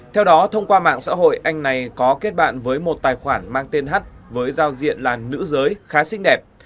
theo đó thông qua mạng xã hội anh này có kết bạn với một tài khoản mang tên h với giao diện là nữ giới khá xinh đẹp